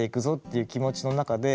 いう気持ちの中で。